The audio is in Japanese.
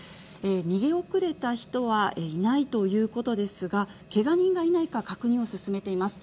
逃げ遅れた人はいないということですが、けが人がいないか確認を進めています。